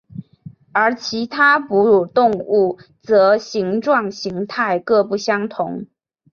而其他哺乳动物则形状形态各不相同。